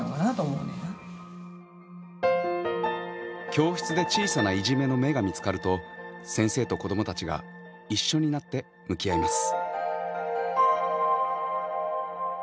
教室で小さないじめの芽が見つかると先生と子どもたちが一緒になって向き合います。